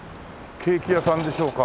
ケーキ屋さんでしょうか？